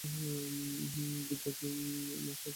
বিদ্যা কি এত সহজে দেওয়া যায়?